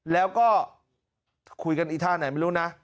แล้วก็คุยกันอีท่าไหนไม่รู้นะ